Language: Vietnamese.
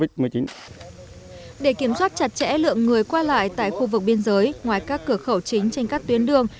để kiểm soát chặt chẽ lượng người qua lại tại khu vực biên giới ngoài các cửa khẩu chính trên các tuyến đường